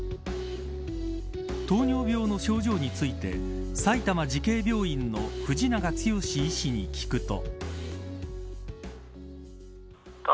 糖尿病の症状について埼玉慈恵病院の藤永剛医師に聞くと。